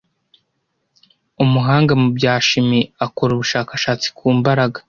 umuhanga mu bya shimi akora ubushakashatsi ku mbaraga